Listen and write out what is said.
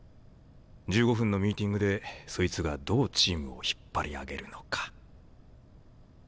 １５分のミーティングでそいつがどうチームを引っ張り上げるのか。